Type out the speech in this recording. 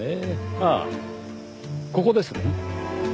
あっここですか。